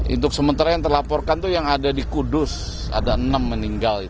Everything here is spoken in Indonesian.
untuk sementara yang terlaporkan itu yang ada di kudus ada enam meninggal